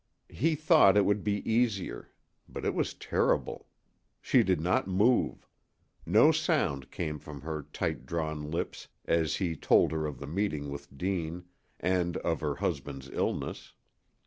He thought it would be easier. But it was terrible. She did not move. No sound came from her tight drawn lips as he told her of the meeting with Deane, and of her husband's illness.